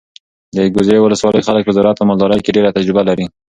د ګذرې ولسوالۍ خلک په زراعت او مالدارۍ کې ډېره تجربه لري.